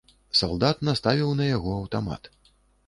Салдат наставіў на яго аўтамат.